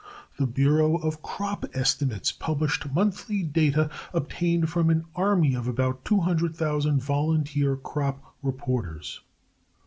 The Bureau of Crop Estimates published monthly data obtained from an army of about two hundred thousand volunteer crop reporters.